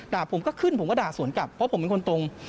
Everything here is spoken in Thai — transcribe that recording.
ผมก็ขึ้นผมก็ด่าสวนกลับเพราะผมเป็นคนตรง